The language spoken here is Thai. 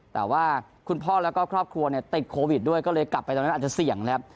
แต่ว่าคุณพ่อแล้วก็ครอบครัวเนี่ยติดโควิดด้วยก็เลยกลับไปตอนนั้นอาจจะเสี่ยงนะครับ